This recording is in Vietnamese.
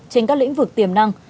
trên các lĩnh vực tiềm năng